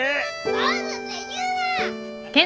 坊主って言うな！